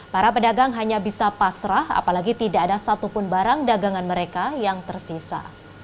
para pedagang hanya bisa pasrah apalagi tidak ada satupun barang dagangan mereka yang tersisa